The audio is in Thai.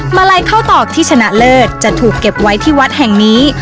มาลัยเข้าตอกที่ชนะเลิศจะถูกเก็บไว้ที่วัดแห่งนี้